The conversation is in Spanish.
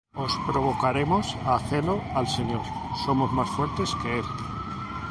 ¿O provocaremos á celo al Señor? ¿Somos más fuertes que él?